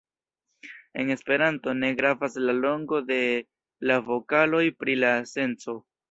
En Esperanto ne gravas la longo de la vokaloj pri la senco.